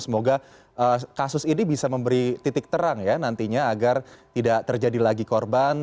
semoga kasus ini bisa memberi titik terang ya nantinya agar tidak terjadi lagi korban